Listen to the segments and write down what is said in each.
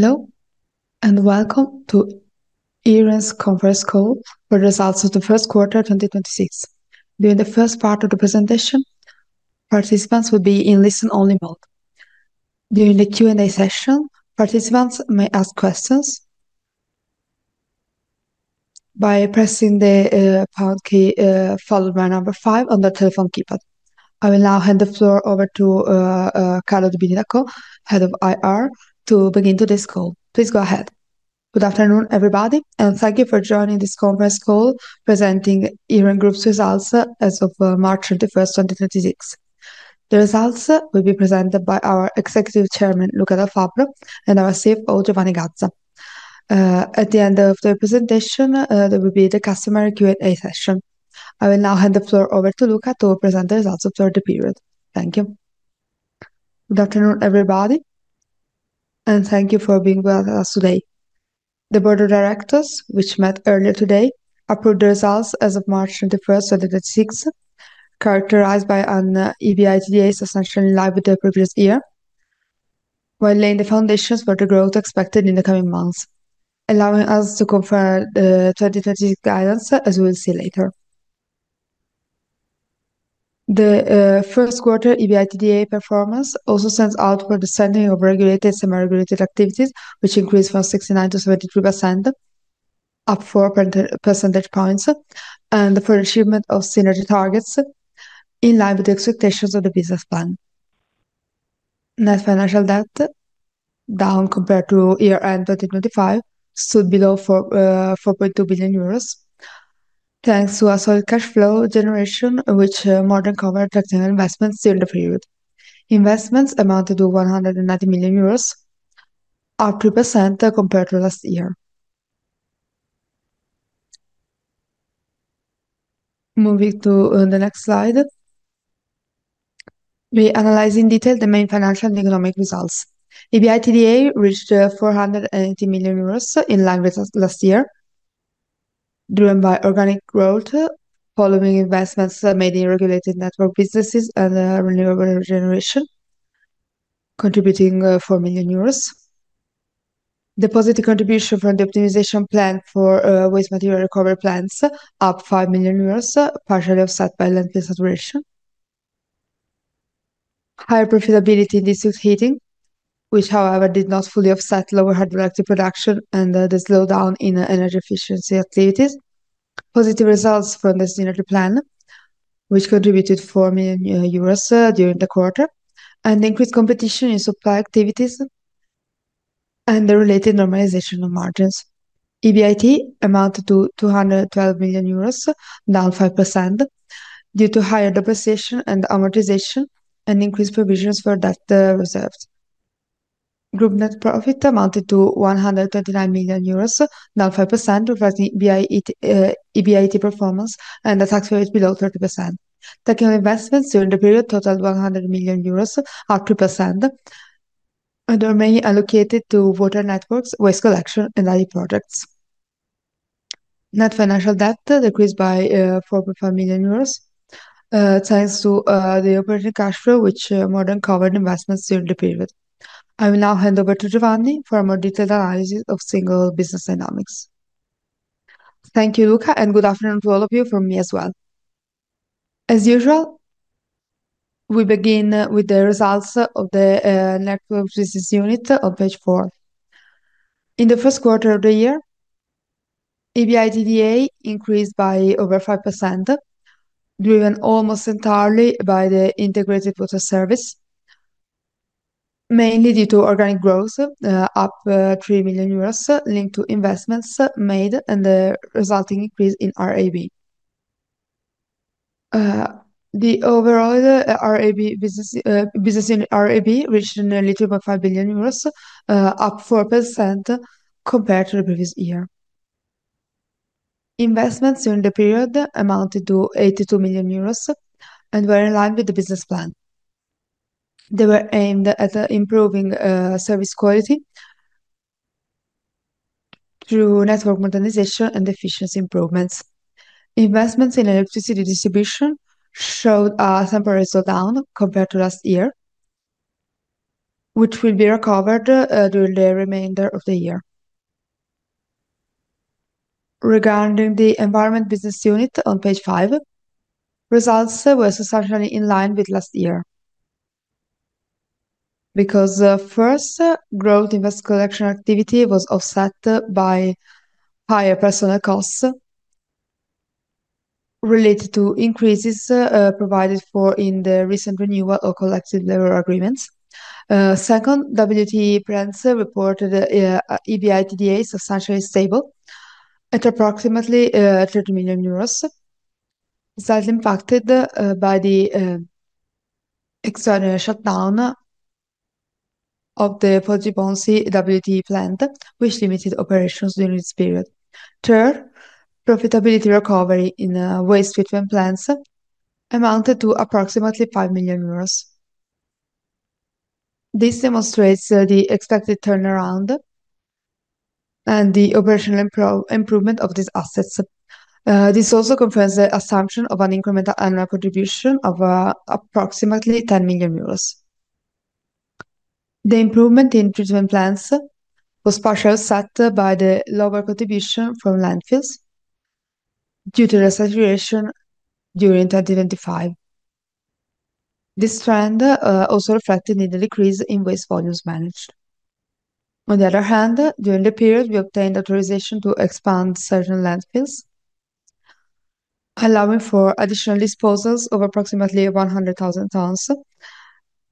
Hello, and welcome to Iren's conference call for results of the first quarter, 2026. During the first part of the presentation, participants will be in listen-only mode. During the Q&A session, participants may ask questions by pressing the power key followed by the number five of the telephone keypad. I will now hand the floor over to Carlo Dubini Daccò, Head of IR, to begin today's call. Please go ahead. Good afternoon, everybody, and thank you for joining this conference call presenting Iren Group's results as of March 31st, 2026. The results will be presented by our Executive Chairman, Luca Dal Fabbro, and our CFO, Giovanni Gazza. At the end of the presentation, there will be the customary Q&A session. I will now hand the floor over to Luca to present the results of the third period. Thank you. Good afternoon, everybody, and thank you for being with us today. The Board of Directors, which met earlier today, approved the results as of March 31st, 2026, characterized by an EBITDA substantially in line with the previous year, while laying the foundations for the growth expected in the coming months, allowing us to confirm the 2026 guidance, as we will see later. The first quarter EBITDA performance also stands out for the sending of regulated semi-regulated activities, which increased from 69% to 73%, up 4 percentage points, and the full achievement of synergy targets in line with the expectations of the business plan. Net financial debt, down compared to year-end 2025, stood below 4.2 billion euros, thanks to a solid cash flow generation which more than covered external investments during the period. Investments amounted to 190 million euros, up 2% compared to last year. Moving to the next slide, we analyze in detail the main financial and economic results. EBITDA reached 480 million euros, in line with last year, driven by organic growth following investments made in regulated network businesses and renewable generation, contributing 4 million euros. The positive contribution from the optimization plan for waste material recovery plants up 5 million euros, partially offset by lengthy saturation. Higher profitability in district heating, which, however, did not fully offset lower hydroelectric production and the slowdown in energy efficiency activities. Positive results from the synergy plan, which contributed 4 million euros during the quarter, and increased competition in supply activities and the related normalization of margins. EBIT amounted to 212 million euros, down 5% due to higher depreciation and amortization and increased provisions for debt reserves. Group net profit amounted to 129 million euros, down 5%, reflecting EBIT performance and a tax rate below 30%. Technical investments during the period totaled 100 million euros, up 3%, and were mainly allocated to water networks, waste collection, and IT projects. Net financial debt decreased by 4.5 million euros, thanks to the operating cash flow, which more than covered investments during the period. I will now hand over to Giovanni for a more detailed analysis of single business dynamics. Thank you, Luca, and good afternoon to all of you from me as well. As usual, we begin with the results of the network business unit on page four. In the first quarter of the year, EBITDA increased by over 5%, driven almost entirely by the integrated water service, mainly due to organic growth, up 3 million euros linked to investments made and the resulting increase in RAB. The overall RAB business in RAB reached nearly 2.5 billion euros, up 4% compared to the previous year. Investments during the period amounted to 82 million euros and were in line with the business plan. They were aimed at improving service quality through network modernization and efficiency improvements. Investments in electricity distribution showed a temporary slowdown compared to last year, which will be recovered during the remainder of the year. Regarding the Environment Business Unit on page five, results were substantially in line with last year because, first, growth in waste collection activity was offset by higher personnel costs related to increases provided for in the recent renewal of collective labor agreements. Second, WTE plants reported EBITDA substantially stable at approximately 30 million euros, slightly impacted by the extraordinary shutdown of the Poggibonsi WTE plant, which limited operations during this period. Third, profitability recovery in waste treatment plants amounted to approximately 5 million euros. This demonstrates the expected turnaround and the operational improvement of these assets. This also confirms the assumption of an incremental annual contribution of approximately 10 million euros. The improvement in treatment plants was partially offset by the lower contribution from landfills due to the saturation during 2025. This trend also reflected in the decrease in waste volumes managed. On the other hand, during the period, we obtained authorization to expand certain landfills, allowing for additional disposals of approximately 100,000 tons,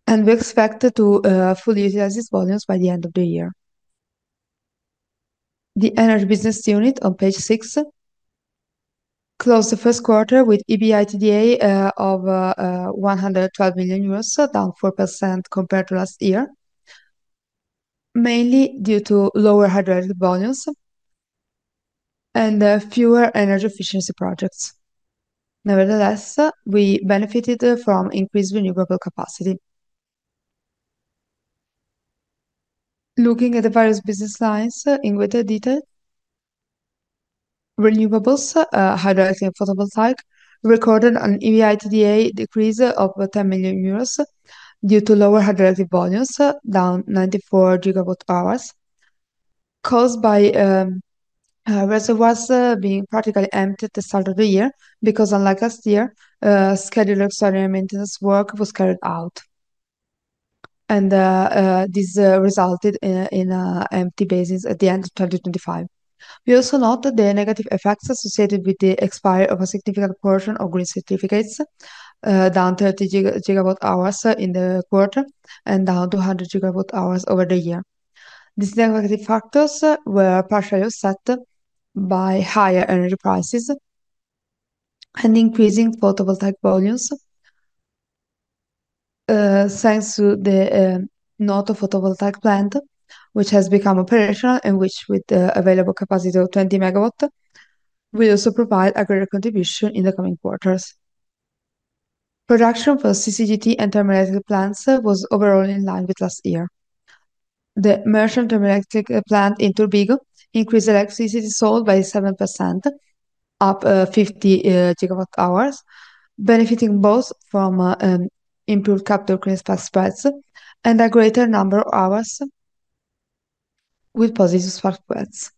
and we expect to fully utilize these volumes by the end of the year. The Energy business unit on page six closed the first quarter with EBITDA of 112 million euros, down 4% compared to last year, mainly due to lower hydroelectric volumes and fewer energy efficiency projects. Nevertheless, we benefited from increased renewable capacity. Looking at the various business lines in greater detail, renewables, hydroelectric and photovoltaic, recorded an EBITDA decrease of 10 million euros due to lower hydroelectric volumes, down 94 GWh, caused by reservoirs being practically empty at the start of the year, because unlike last year, scheduled extraordinary maintenance work was carried out. This resulted in empty basins at the end of 2025. We also note the negative effects associated with the expiry of a significant portion of green certificates, down 30 GWh in the quarter and down 100 GWh over the year. These negative factors were partially offset by higher energy prices and increasing photovoltaic volumes, thanks to the Noto photovoltaic plant, which has become operational and which, with the available capacity of 20 MW, will also provide a greater contribution in the coming quarters. Production for CCGT and thermoelectric plants was overall in line with last year. The merchant thermoelectric plant in Turbigo increased electricity sold by 7%, up 50 GWh, benefiting both from improved capture clean spark spreads and a greater number of hours with positive spark spreads.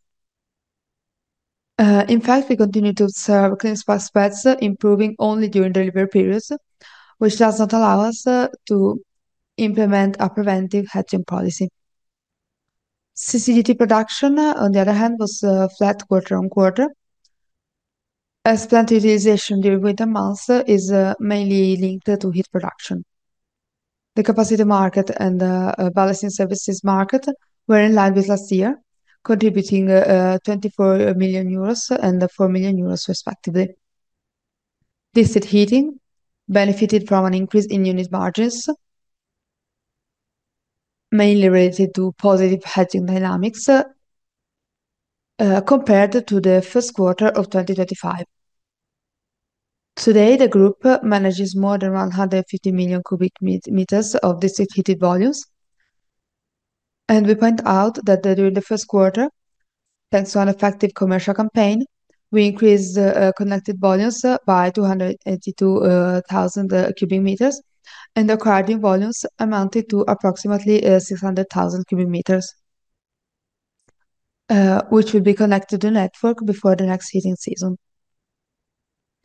In fact, we continue to observe clean spark spreads improving only during delivery periods, which does not allow us to implement a preventive hedging policy. CCGT production, on the other hand, was flat quarter-on-quarter as plant utilization during winter months is mainly linked to heat production. The capacity market and balancing services market were in line with last year, contributing 24 million euros and 4 million euros, respectively. District heating benefited from an increase in unit margins mainly related to positive hedging dynamics compared to the first quarter of 2025. Today, the group manages more than 150 million cu m of district-heated volumes, and we point out that during the first quarter, thanks to an effective commercial campaign, we increased connected volumes by 282,000 cu m, and acquiring volumes amounted to approximately 600,000 cu m, which will be connected to network before the next heating season.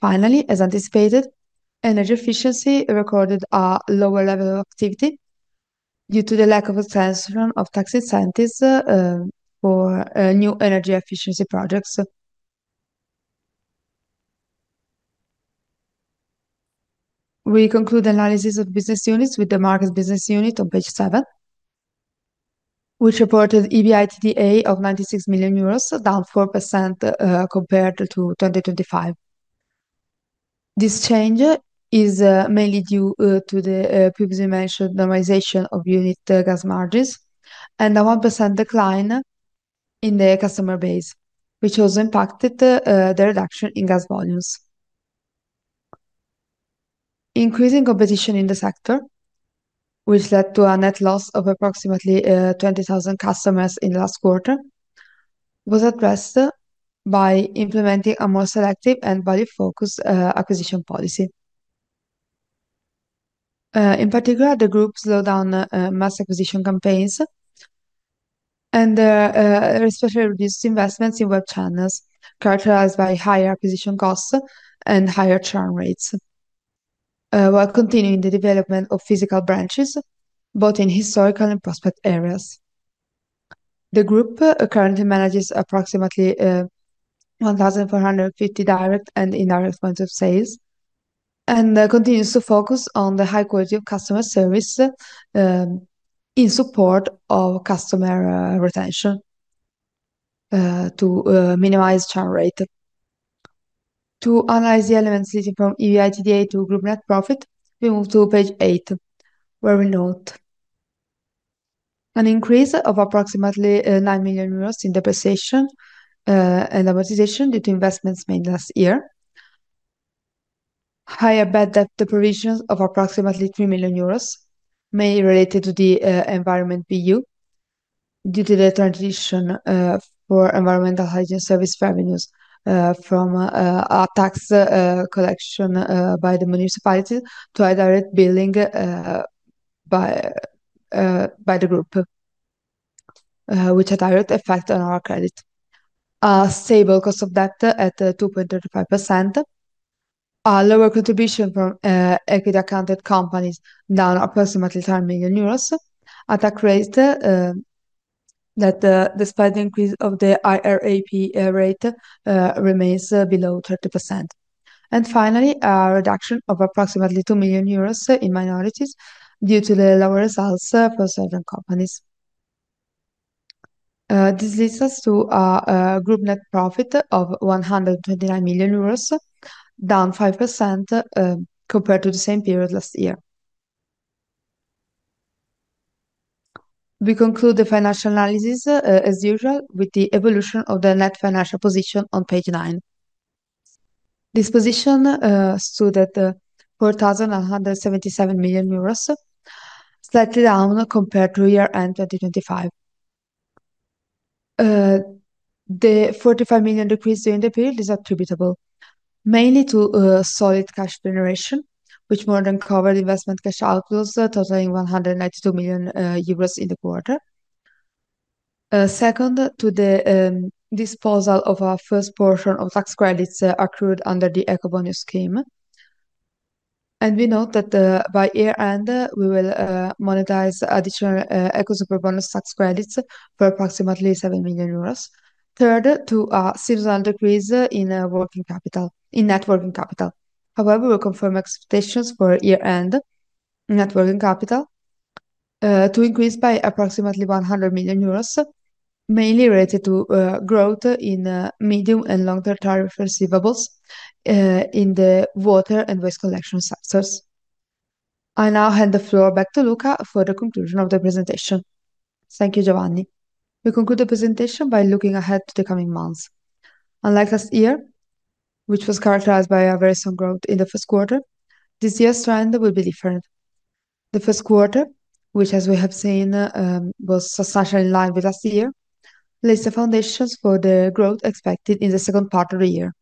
As anticipated, energy efficiency recorded a lower level of activity due to the lack of a transfer of tax incentives for new energy efficiency projects. We conclude analysis of business units with the Market business unit on page seven, which reported EBITDA of 96 million euros, down 4% compared to 2025. This change is mainly due to the previously mentioned normalization of unit gas margins and a 1% decline in the customer base, which also impacted the reduction in gas volumes. Increasing competition in the sector, which led to a net loss of approximately 20,000 customers in last quarter, was addressed by implementing a more selective and value-focused acquisition policy. In particular, the group slowed down mass acquisition campaigns and especially reduced investments in web channels characterized by higher acquisition costs and higher churn rates, while continuing the development of physical branches, both in historical and prospect areas. The group currently manages approximately 1,450 direct and indirect points of sales and continues to focus on the high quality of customer service in support of customer retention to minimize churn rate. To analyze the elements leading from EBITDA to group net profit, we move to page eight, where we note an increase of approximately 9 million euros in depreciation and amortization due to investments made last year. Higher bad debt provisions of approximately 3 million euros, mainly related to the Environment BU, due to the transition for environmental hygiene service revenues from a tax collection by the municipality to a direct billing by the group, which had direct effect on our credit. A stable cost of debt at 2.35%. A lower contribution from equity accounted companies down approximately 10 million euros at a rate that, despite the increase of the IRAP rate, remains below 30%. Finally, a reduction of approximately 2 million euros in minorities due to the lower results for certain companies. This leads us to a group net profit of 129 million euros, down 5% compared to the same period last year. We conclude the financial analysis, as usual, with the evolution of the net financial position on page nine. This position stood at 4,177 million euros, slightly down compared to year-end 2025. The 45 million decrease during the period is attributable mainly to solid cash generation, which more than covered investment cash outflows totaling 192 million euros in the quarter. Second, to the disposal of our first portion of tax credits accrued under the Ecobonus scheme. We note that by year-end, we will monetize additional Eco/Superbonus tax credits for approximately 7 million euros. Third, to a seasonal decrease in net working capital. We confirm expectations for year-end net working capital to increase by approximately 100 million euros, mainly related to growth in medium and long-term tariff receivables in the water and waste collection sectors. I now hand the floor back to Luca for the conclusion of the presentation. Thank you, Giovanni. We conclude the presentation by looking ahead to the coming months. Unlike last year, which was characterized by a very strong growth in the first quarter, this year's trend will be different. The first quarter, which, as we have seen, was substantially in line with last year, lays the foundations for the growth expected in the second part of the year.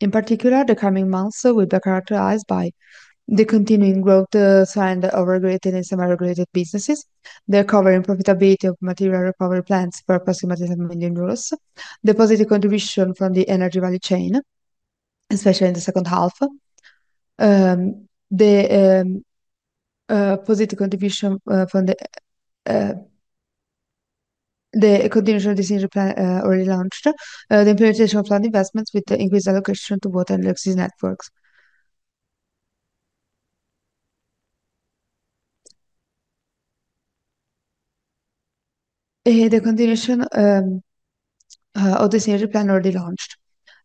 In particular, the coming months will be characterized by the continuing growth trend of regulated and semi-regulated businesses, the recovery in profitability of material recovery plants for approximately 7 million euros, the positive contribution from the energy value chain, especially in the second half. The positive contribution from the continuation of the synergy plan already launched, the implementation of planned investments, with the increased allocation to water and electricity networks. The continuation of the synergy plan already launched.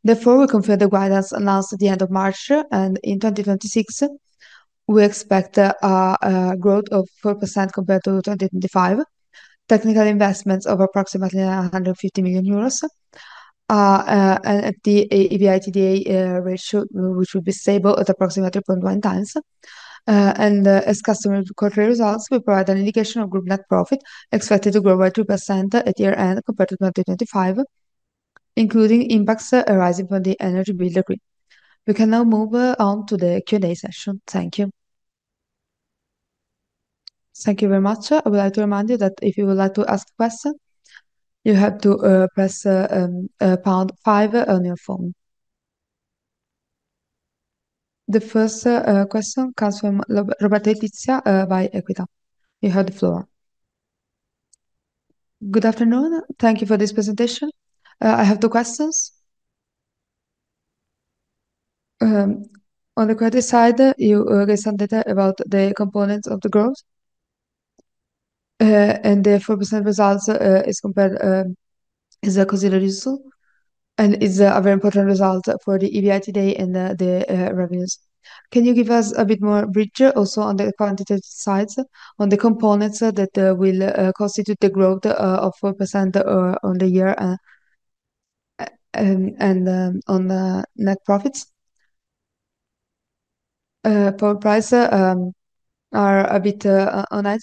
We confirm the guidance announced at the end of March, and in 2026, we expect a growth of 4% compared to 2025. Technical investments of approximately 150 million euros. The EBITDA ratio, which will be stable at approximately 3.1x. As customary for quarterly results, we provide an indication of group net profit expected to grow by 2% at year-end compared to 2025, including impacts arising from the Energy Bills decree. We can now move on to the Q&A session. Thank you. Thank you very much. I would like to remind you that if you would like to ask a question, you have to press pound five on your phone. The first question comes from Roberto Letizia by Equita. You have the floor. Good afternoon. Thank you for this presentation. I have two questions. On the credit side, you gave some data about the components of the growth. And the 4% results is compared, is considered useful, and is a very important result for the EBITDA and the revenues. Can you give us a bit more bridge also on the quantitative sides, on the components that will constitute the growth of 4% on the year and on the net profits? Power price are a bit on it.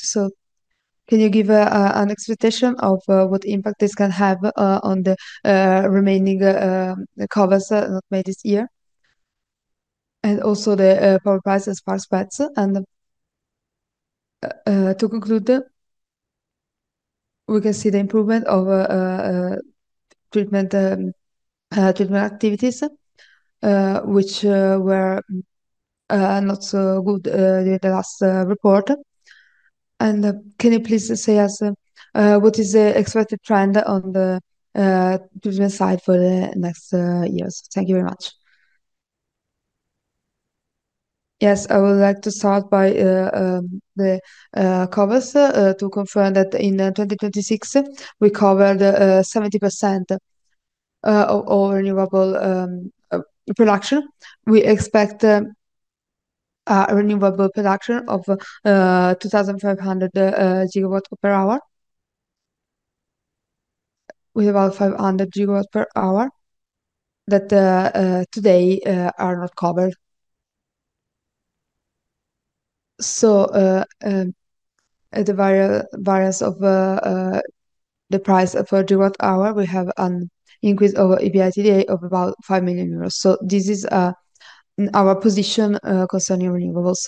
Can you give an expectation of what impact this can have on the remaining covers not made this year? Also, the power prices for spreads. To conclude, we can see the improvement of treatment activities, which were not so good during the last report. Can you please say us what is the expected trend on the treatment side for the next years? Thank you very much. Yes, I would like to start by the covers to confirm that in 2026 we covered 70% of renewable production. We expect a renewable production of 2,500 GWh. With about 500 GWh that today are not covered. At the variance of the price of a gigawatt hour, we have an increase over EBITDA of about 5 million euros. This is our position concerning renewables.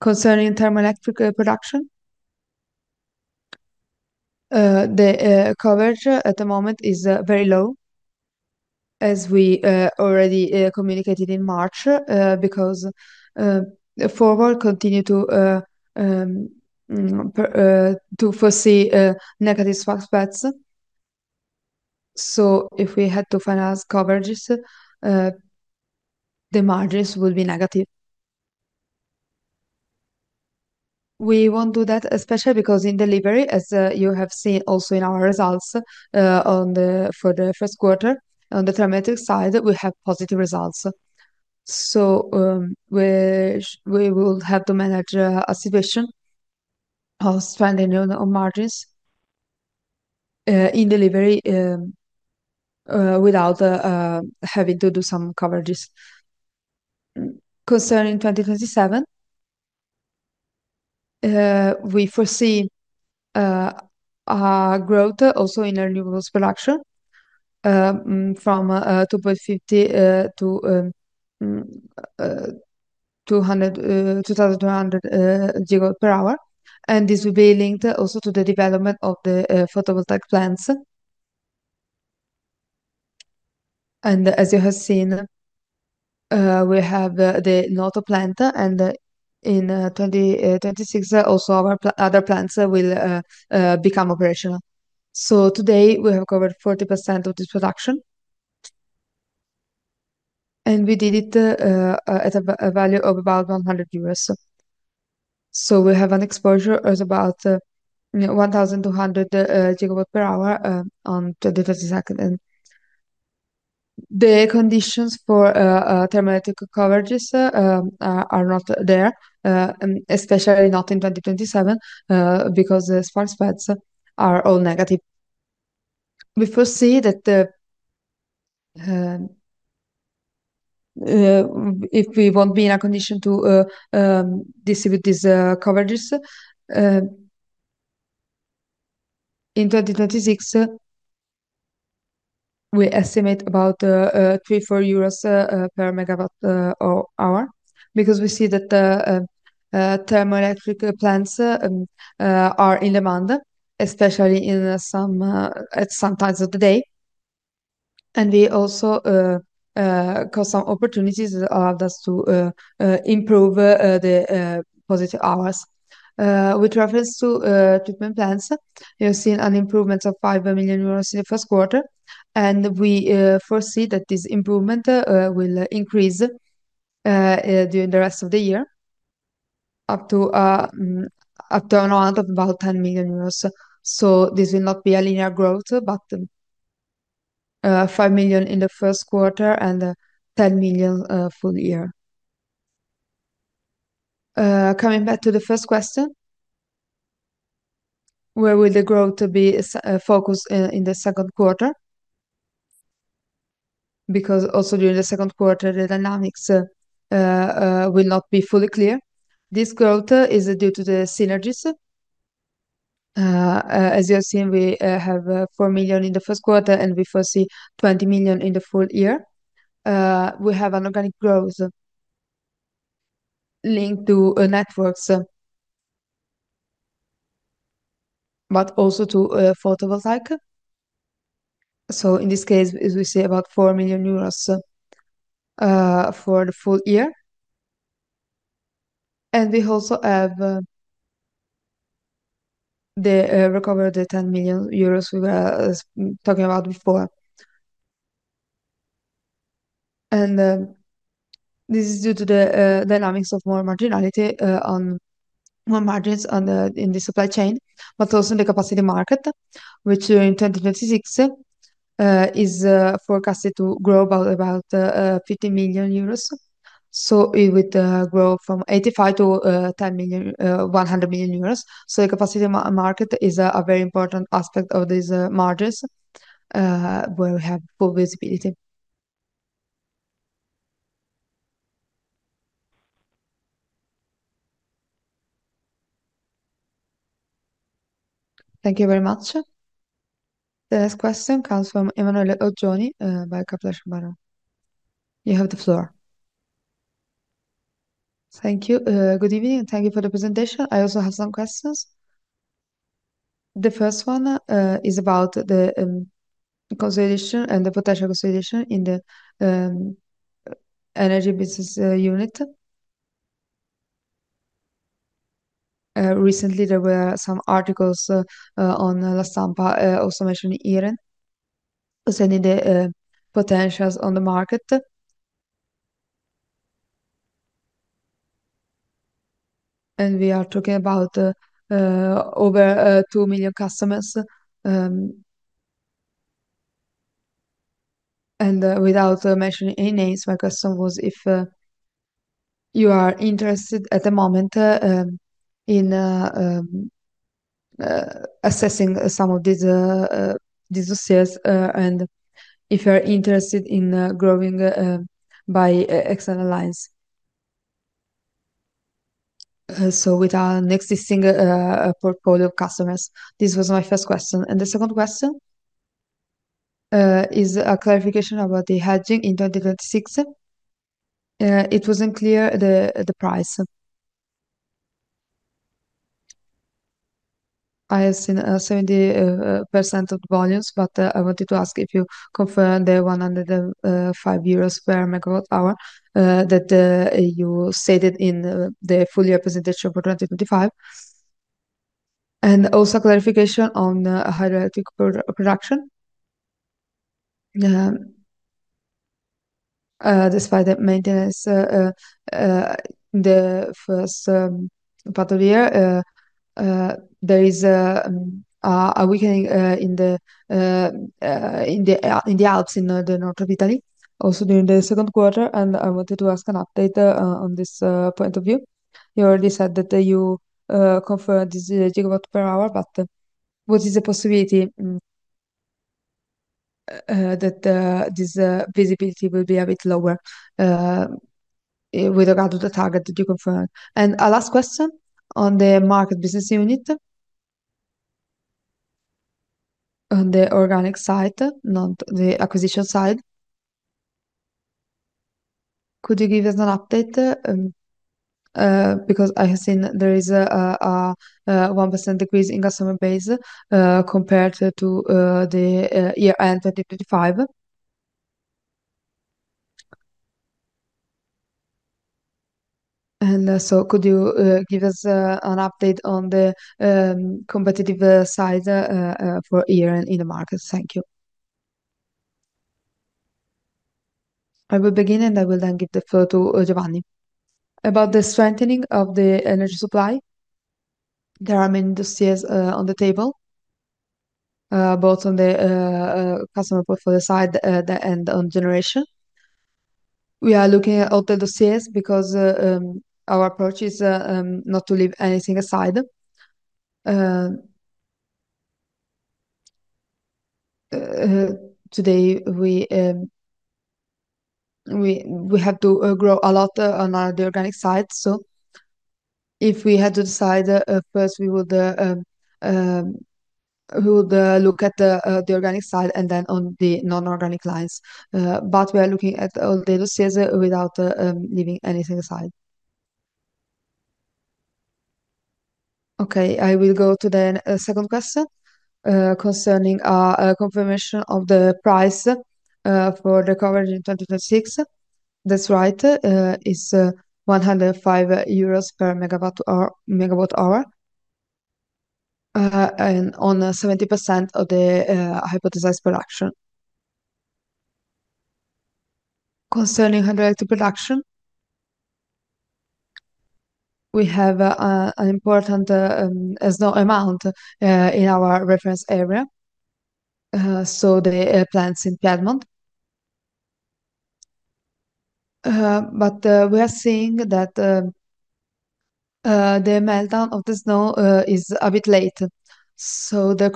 Concerning thermoelectric production, the coverage at the moment is very low, as we already communicated in March, because the forward continue to foresee negative aspects. If we had to finance coverages, the margins would be negative. We won't do that, especially because in delivery, as you have seen also in our results, on the for the first quarter, on the thermoelectric side, we have positive results. We will have to manage a situation of spending on margins, in delivery, without having to do some coverages. Concerning 2027, we foresee growth also in renewables production from 2.50 to 2,200 GWh. This will be linked also to the development of the photovoltaic plants. As you have seen, we have the Noto plant, and in 2026 also other plants will become operational. Today, we have covered 40% of this production, and we did it at a value of about 100. We have an exposure of about, you know, 1,200 GWh on 2027. The conditions for thermoelectric coverages are not there, especially not in 2027, because the aspects are all negative. We foresee that if we won't be in a condition to distribute these coverages, in 2026 we estimate about 3-4 euros per megawatt hour, because we see that thermoelectric plants are in demand, especially at some times of the day. We also got some opportunities just to improve the positive hours. With reference to treatment plants, you have seen an improvement of 5 million euros in the first quarter, and we foresee that this improvement will increase during the rest of the year up to around 10 million euros. This will not be a linear growth, but 5 million in the first quarter and 10 million full year. Coming back to the first question, where will the growth be focused in the second quarter? Also, during the second quarter, the dynamics will not be fully clear. This growth is due to the synergies. As you have seen, we have 4 million in the first quarter, we foresee 20 million in the full year. We have an organic growth linked to networks, but also to photovoltaic. In this case, as we say, about 4 million euros for the full year. We also have the recovered 10 million euros we were talking about before. This is due to the dynamics of more marginality on more margins in the supply chain, but also in the capacity market, which in 2026 is forecasted to grow by about 15 million euros. It would grow from 85 million to 100 million euros. The capacity market is a very important aspect of these margins, where we have full visibility. Thank you very much. The next question comes from Emanuele Oggioni by Kepler Cheuvreux. You have the floor. Thank you. Good evening, and thank you for the presentation. I also have some questions. The first one is about the consolidation and the potential consolidation in the Energy business unit. Recently, there were some articles on La Stampa, also mentioned in Iren, as in the potentials on the market. We are talking about over 2 million customers. Without mentioning any names, my question was if you are interested at the moment in assessing some of these assets, and if you're interested in growing by external lines. With our next thing, portfolio customers. This was my first question. The second question is a clarification about the hedging in 2026. It wasn't clear the price. I have seen 70% of volumes, but I wanted to ask if you confirm the one under 5 euros per megawatt hour that you stated in the full-year presentation for 2025. Also, clarification on hydroelectric production. Despite that maintenance, the first part of the year, there is a weakening in the Alps in Northern Italy, also during the second quarter. I wanted to ask an update on this point of view. You already said that you confirmed this gigawatt per hour, but what is the possibility that this visibility will be a bit lower with regard to the target that you confirmed? A last question on the Market business unit. On the organic side, not the acquisition side. Could you give us an update because I have seen there is a 1% decrease in customer base compared to the year-end 2025? Could you give us an update on the competitive side for year in the market? Thank you. I will begin, and I will then give the floor to Giovanni. About the strengthening of the energy supply, there are many dossiers on the table, both on the customer portfolio side and on generation. We are looking at all the dossiers because our approach is not to leave anything aside. Today, we have to grow a lot on the organic side. If we had to decide, first we would look at the organic side and then on the non-organic lines. We are looking at all the dossiers without leaving anything aside. I will go to the second question concerning a confirmation of the price for the coverage in 2026. That's right, it's 105 euros per megawatt hour and on 70% of the hypothesized production. Concerning hydroelectric production, we have an important snow amount in our reference area, so the plants in Piedmont. We are seeing that the meltdown of the snow is a bit late, so the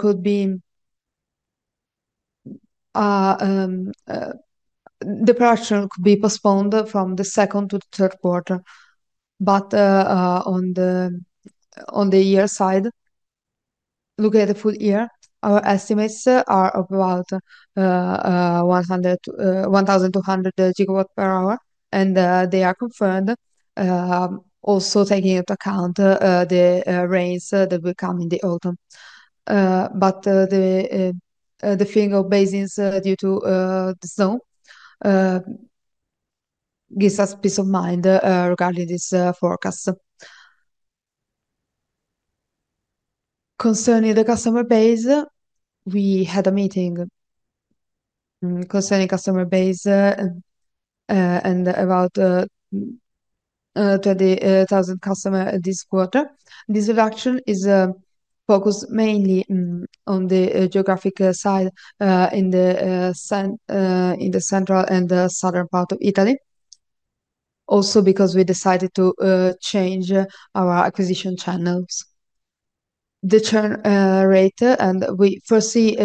production could be postponed from the second to the third quarter. On the year side, looking at the full year, our estimates are about 1,200 gigawatt per hour, and they are confirmed, also taking into account the rains that will come in the autumn. The filling of basins, due to the snow, gives us peace of mind regarding this forecast. We had a meeting concerning customer base, and about 30,000 customer this quarter. This reduction is focused mainly on the geographic side, in the central and the southern part of Italy. Because we decided to change our acquisition channels. The churn rate and we foresee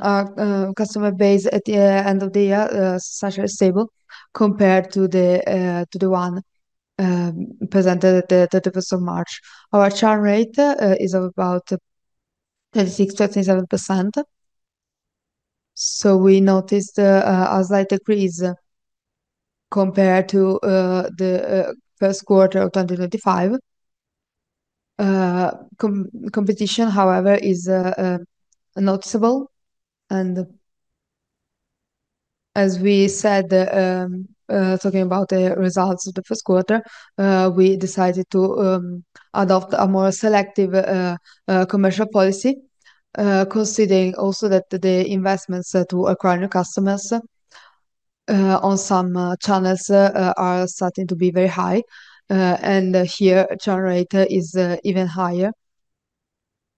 our customer base at the end of the year slightly stable compared to the one presented at the 31st of March. Our churn rate is about 36%-37%, so we noticed a slight decrease compared to the first quarter of 2025. Competition, however, is noticeable. As we said, talking about the results of the first quarter, we decided to adopt a more selective commercial policy, considering also that the investments to acquire new customers on some channels are starting to be very high. Here churn rate is even higher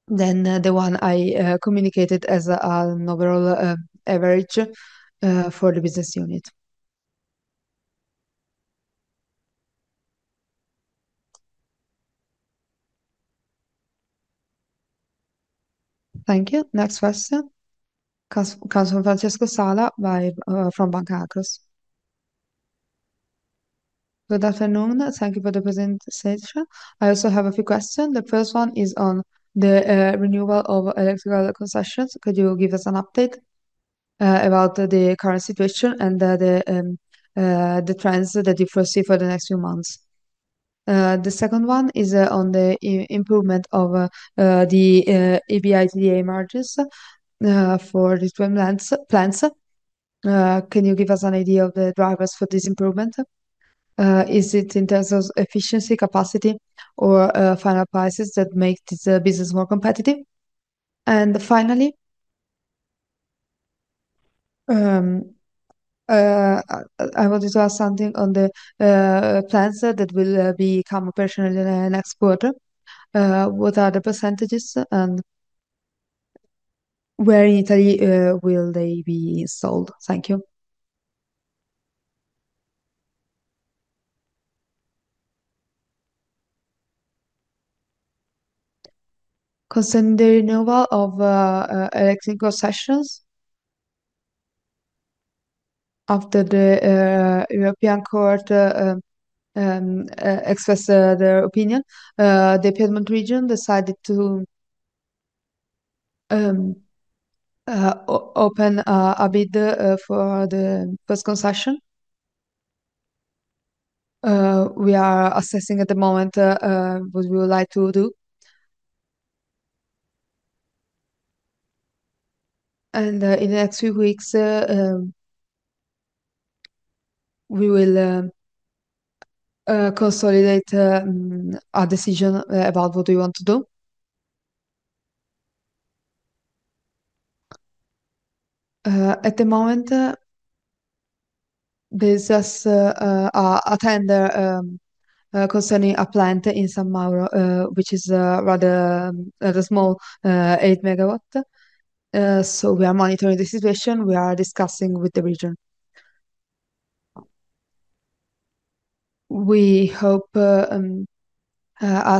than the one I communicated as overall average for the business unit. Thank you. Next question comes from Francesco Sala from Banca Akros. Good afternoon. Thank you for the presentation. I also have a few question. The first one is on the renewal of electrical concessions. Could you give us an update about the current situation and the trends that you foresee for the next few months? The second one is on the improvement of the EBITDA margins for the treatment plants. Can you give us an idea of the drivers for this improvement? Is it in terms of efficiency, capacity or final prices that make this business more competitive? Finally, I wanted to ask something on the plants that will become operational in the next quarter. What are the percentages, and where in Italy will they be sold? Thank you. Concerning the renewal of electrical concessions, after the European court expressed their opinion, the Piedmont region decided to open a bid for the first concession. We are assessing at the moment what we would like to do. In the next few weeks, we will consolidate our decision about what we want to do. At the moment, there's just a tender concerning a plant in San Mauro, which is rather small, 8 MW. We are monitoring the situation. We are discussing with the region. We hope a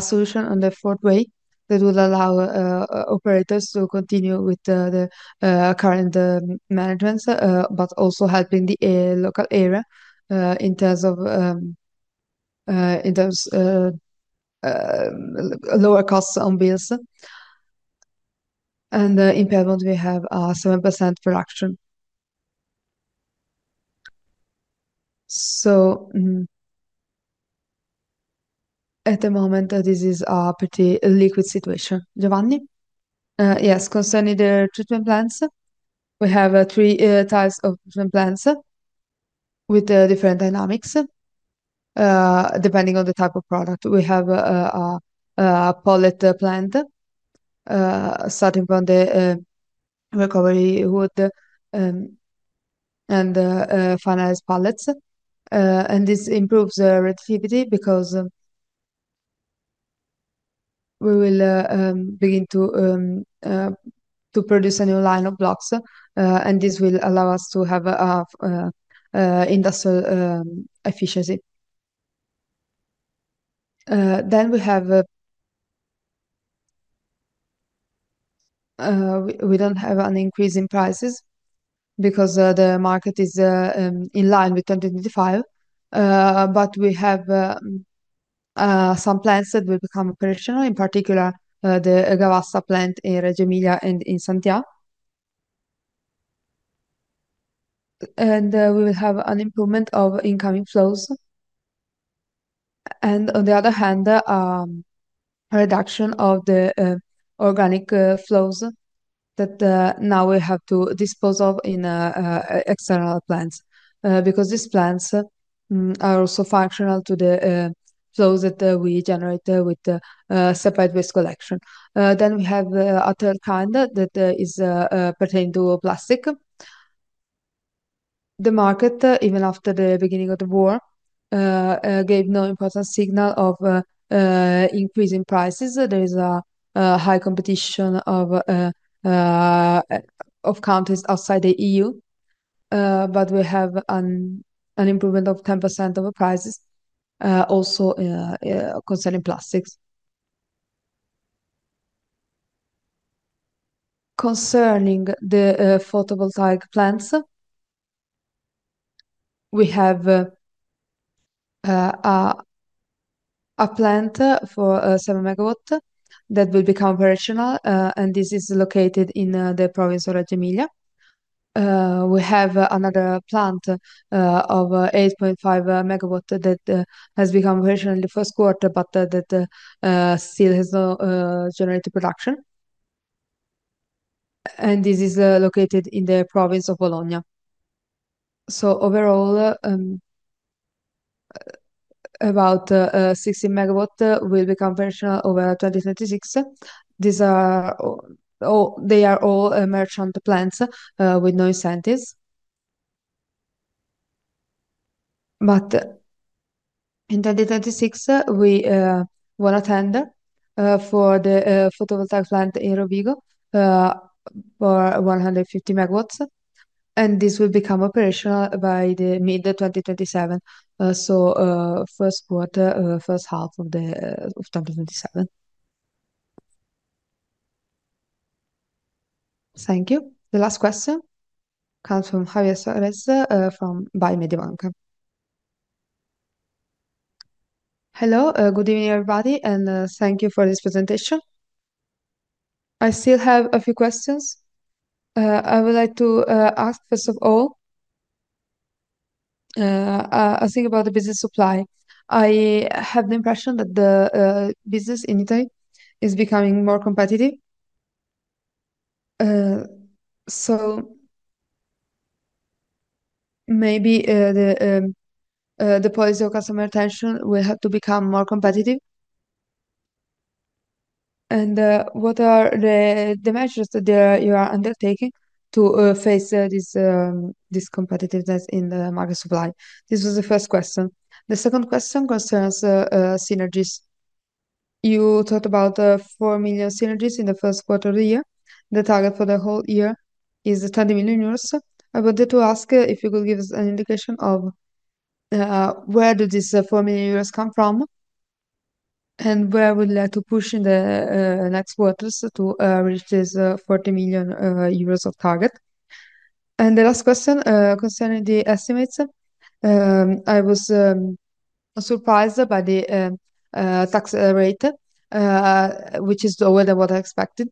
solution on the fourth way that will allow operators to continue with the current management, but also helping the local area in terms of lower costs on bills. In Piedmont, we have a 7% production. At the moment, this is a pretty liquid situation. Giovanni? Yes, concerning the treatment plants, we have three types of treatment plants with different dynamics, depending on the type of product. We have a pallet plant, starting from the recovery wood, and finalized pallets. This improves the productivity because we will begin to produce a new line of blocks, and this will allow us to have industrial efficiency. We don't have an increase in prices because the market is in line with 2025. We have some plants that will become operational, in particular, the Gavassa plant in Reggio Emilia and in Santhià. We will have an improvement of incoming flows. On the other hand, a reduction of the organic flows that now we have to dispose of in external plants. Because these plants are also functional to the flows that we generate with the separate waste collection. We have the other kind that is pertaining to plastic. The market, even after the beginning of the war, gave no important signal of increase in prices. There is a high competition of countries outside the EU. We have an improvement of 10% of prices, also concerning plastics. Concerning the photovoltaic plants, we have a plant for 7 MW that will become operational. This is located in the province of Reggio Emilia. We have another plant of 8.5 MW that has become operational in the first quarter, but that still has no generated production. This is located in the province of Bologna. Overall, about 60 MW will become operational over 2026. They are all merchant plants with no incentives. In 2026, we won a tender for the photovoltaic plant in Rovigo for 150 MW, and this will become operational by the mid 2027. First quarter, first half of the 2027. Thank you. The last question comes from Javier Suárez, from Mediobanca. Hello, good evening, everybody, thank you for this presentation. I still have a few questions. I would like to ask, first of all, a thing about the business supply. I have the impression that the business in Italy is becoming more competitive. Maybe the policy of customer retention will have to become more competitive. What are the measures that you are undertaking to face this competitiveness in the market supply? This was the first question. The second question concerns synergies. You talked about 4 million synergies in the first quarter of the year. The target for the whole year is 30 million euros. I wanted to ask if you could give us an indication of where do these 4 million euros come from, and where would you like to push in the next quarters to reach this 40 million euros of target? The last question, concerning the estimates. I was surprised by the tax rate, which is lower than what I expected.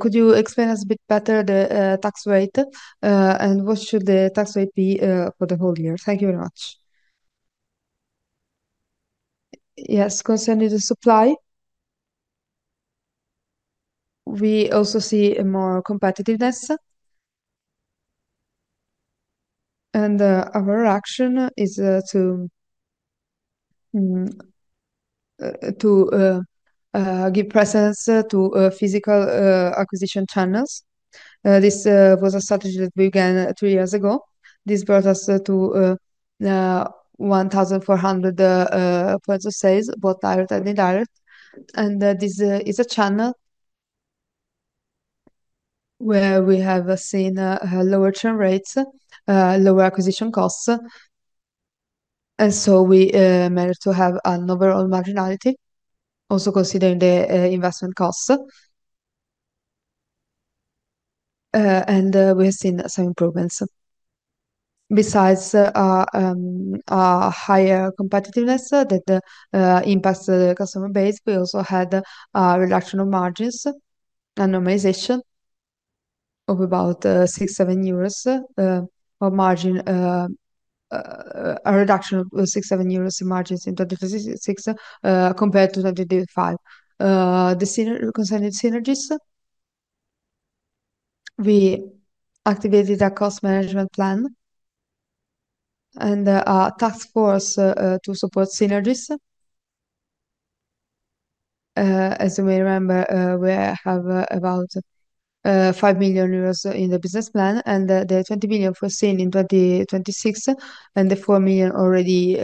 Could you explain us a bit better the tax rate, and what should the tax rate be for the whole year? Thank you very much. Yes, concerning the supply, we also see a more competitiveness. Our action is to give presence to physical acquisition channels. This was a strategy that began two years ago. This brought us to 1,400 points of sales, both direct and indirect. This is a channel where we have seen lower churn rates, lower acquisition costs. We managed to have an overall marginality, also considering the investment costs. We have seen some improvements. Besides higher competitiveness that impacts the customer base, we also had a reduction of margins, a normalization of about 6, 7 euros of margin, a reduction of 6, 7 euros in margins in 2026, compared to 2025. Concerning synergies, we activated a cost management plan and a task force to support synergies. As you may remember, we have about 5 million euros in the business plan, and the 20 million foreseen in 2026 and the 4 million already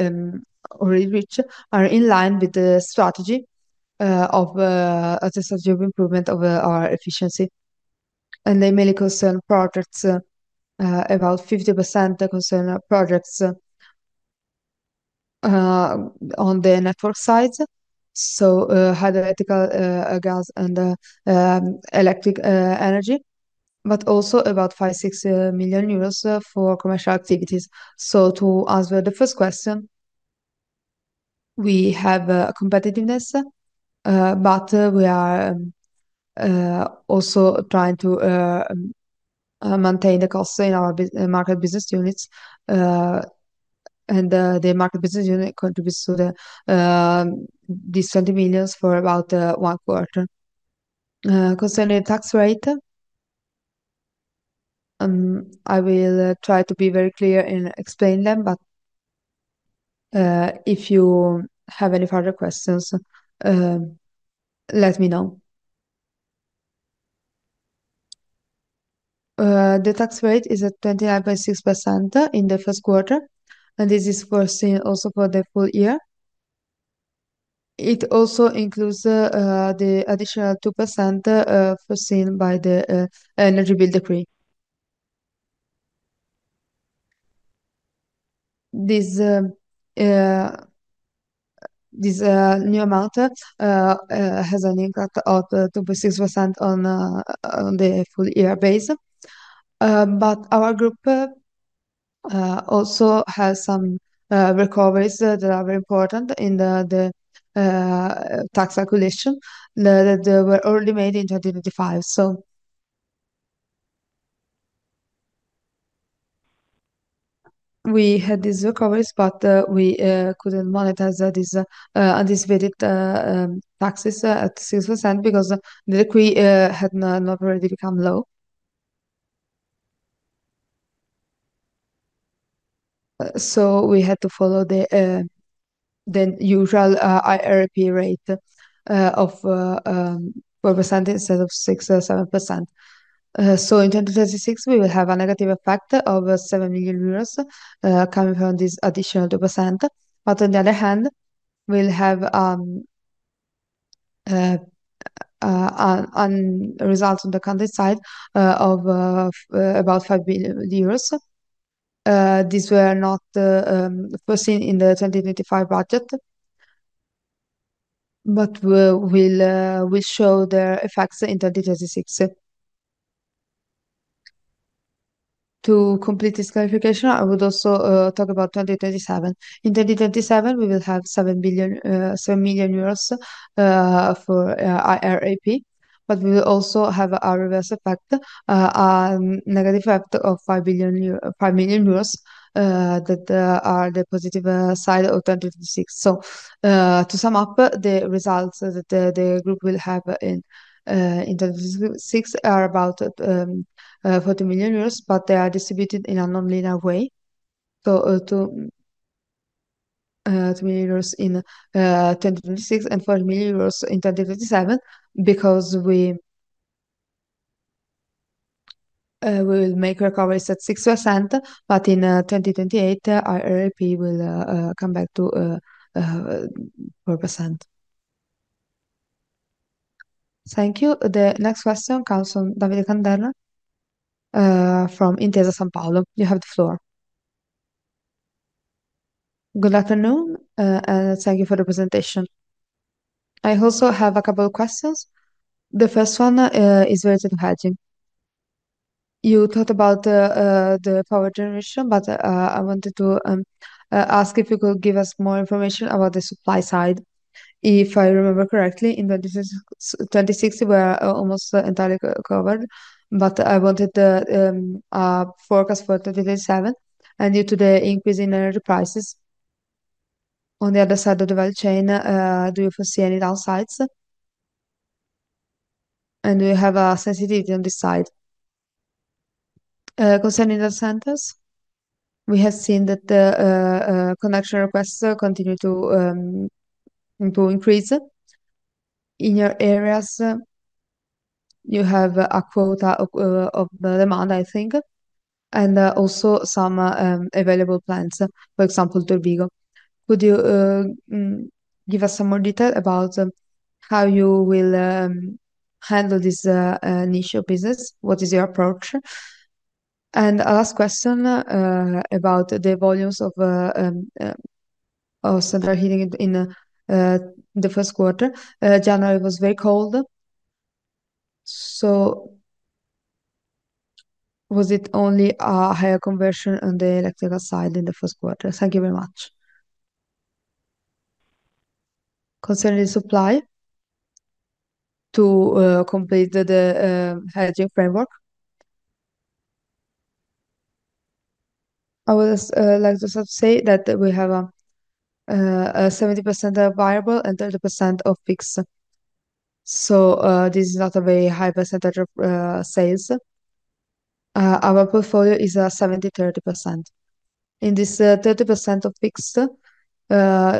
reached are in line with the strategy of improvement of our efficiency. They mainly concern projects, about 50% concern projects on the network side, so hydro, electrical, gas, and electric energy, but also about 5 million-6 million euros for commercial activities. To answer the first question, we have a competitiveness, but we are also trying to maintain the costs in our Market business units. The Market business unit contributes to these 20 million for about one quarter. Concerning tax rate, I will try to be very clear and explain them, but if you have any further questions, let me know. The tax rate is at 29.6% in the first quarter, and this is foreseen also for the full year. It also includes the additional 2% foreseen by the Energy Bills decree. This new amount has an impact of 2.6% on the full year base. Our group also has some recoveries that are very important in the tax calculation that were already made in 2025. We had these recoveries, but we couldn't monetize these anticipated taxes at 6% because the decree had not already become law. We had to follow the usual IRAP rate of 4% instead of 6% or 7%. In 2026, we will have a negative effect of 7 million euros coming from this additional 2%. On the other hand, we'll have results on the side of about 5 billion euros. These were not foreseen in the 2025 budget but will show their effects in 2026. To complete this clarification, I would also talk about 2027. In 2027, we will have 7 million euros for IRAP, but we will also have a reverse effect, negative effect of 5 million euro, that are the positive side of 2026. To sum up, the results that the group will have in 2026 are about 40 million euros, but they are distributed in a non-linear way. To 3 euros in 2026 and 4 million euros in 2027 because we will make recoveries at 6%, but in 2028, IRAP will come back to 4%. Thank you. The next question comes from Davide Candela from Intesa Sanpaolo. You have the floor. Good afternoon, and thank you for the presentation. I also have a couple of questions. The first one is related to hedging. You talked about the power generation. I wanted to ask if you could give us more information about the supply side. If I remember correctly, in 2026 we are almost entirely co-covered. I wanted forecast for 2027 due to the increase in energy prices on the other side of the value chain. Do you foresee any downsides? Do you have a sensitivity on this side? Concerning the centers, we have seen that the connection requests continue to increase. In your areas, you have a quota of the demand, I think, also some available plans, for example, Turbigo. Could you give us some more detail about how you will handle this niche of business? What is your approach? A last question about the volumes of central heating in the first quarter. January was very cold, so was it only a higher conversion on the electrical side in the first quarter? Thank you very much. Concerning supply to complete the hedging framework. I would like to say that we have a 70% of variable and 30% of fixed. This is not a very high percentage of sales. Our portfolio is 70%, 30%. In this, 30% of fixed,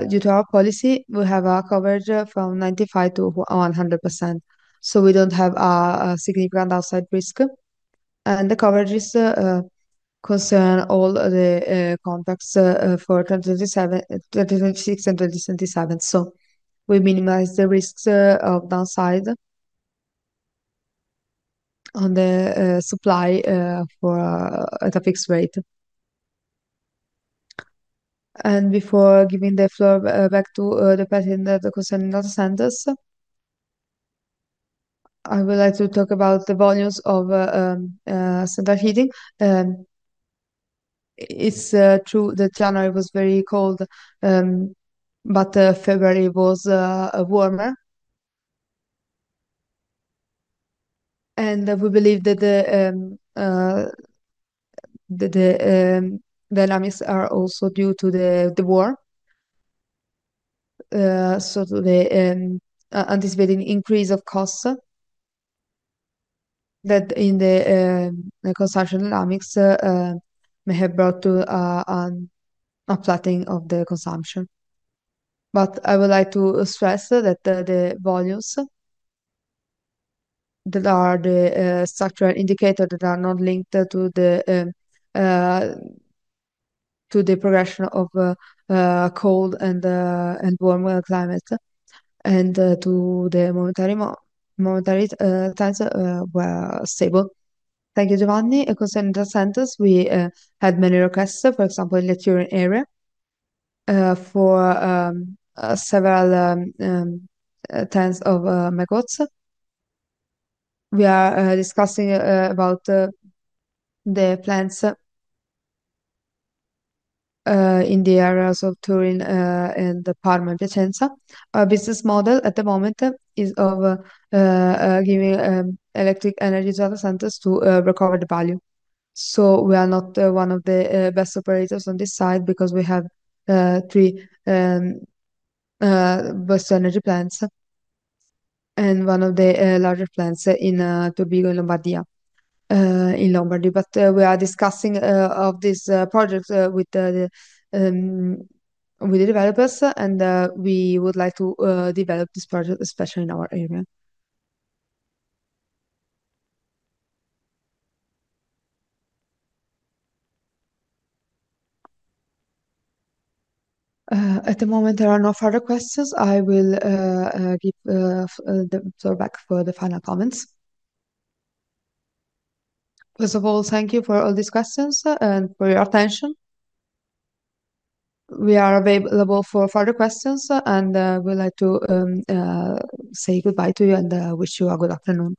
due to our policy, we have a coverage from 95%-100%, so we don't have significant downside risk. The coverage is concern all the contracts for 2027, 2026 and 2027. We minimize the risks of downside on the supply for at a fixed rate. Before giving the floor back to the president concerning data centers, I would like to talk about the volumes of central heating. It's true that January was very cold, but February was warmer. We believe that the dynamics are also due to the war. The anticipating increase of costs that in the consumption dynamics may have brought to a flattening of the consumption. I would like to stress that the volumes that are the structural indicator that are not linked to the progression of cold and warmer climate and to the monetary times were stable. Thank you, Giovanni. Concerning data centers, we had many requests, for example, in the Turin area, for several tens of megawatts. We are discussing about the plans in the areas of Turin and Parma, Piacenza. Our business model at the moment is of giving electric energy to data centers to recover the value. We are not one of the best operators on this side because we have three waste energy plants and one of the larger plants in Turbigo, Lombardy. We are discussing of this project with the developers and we would like to develop this project, especially in our area. At the moment there are no further questions. I will give the floor back for the final comments. First of all, thank you for all these questions and for your attention. We are available for further questions and we would like to say goodbye to you and wish you a good afternoon.